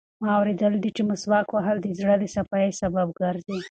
ما اورېدلي دي چې مسواک وهل د زړه د صفایي سبب ګرځي.